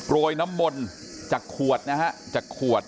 โปรยน้ำมนต์จากขวดนะฮะ